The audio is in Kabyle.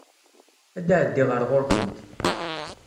Ad d-ɛeddiɣ ar ɣuṛ-kent.